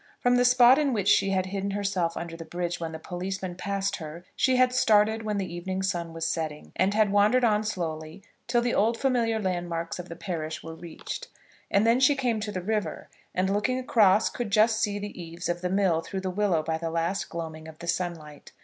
From the spot in which she had hidden herself under the bridge when the policeman passed her she had started when the evening sun was setting, and had wandered on slowly till the old familiar landmarks of the parish were reached. And then she came to the river, and looking across could just see the eaves of the mill through the willows by the last gloaming of the sunlight.